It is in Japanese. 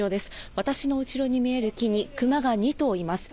私の後ろに見える木にクマが２頭います。